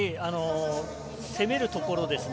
攻めるところですね。